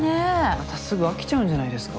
またすぐ飽きちゃうんじゃないですか？